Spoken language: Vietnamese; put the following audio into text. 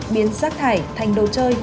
biến sát thải thành đồ chơi